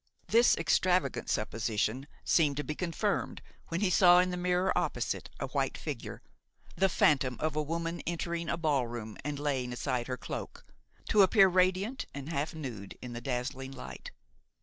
This extravagant supposition seemed to be confirmed when he saw, in the mirror opposite, a white figure, the phantom of a woman entering a ball room and laying aside her cloak, to appear, radiant and half nude, in the dazzling light.